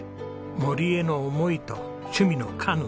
森への思いと趣味のカヌー。